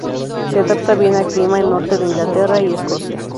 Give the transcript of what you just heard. Se adapta bien al clima en norte de Inglaterra y Escocia.